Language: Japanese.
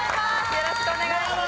よろしくお願いします。